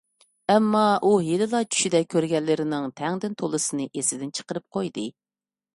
ئەمما، ئۇ ھېلىلا چۈشىدە كۆرگەنلىرىنىڭ تەڭدىن تولىسىنى ئېسىدىن چىقىرىپ قويدى.